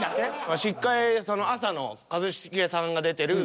ワシ１回朝の一茂さんが出てる。